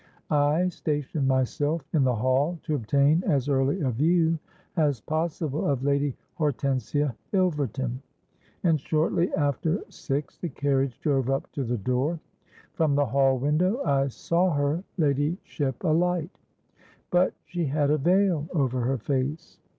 I stationed myself in the hall to obtain as early a view as possible of Lady Hortensia Ilverton; and shortly after six the carriage drove up to the door. From the hall window I saw her ladyship alight; but she had a veil over her face.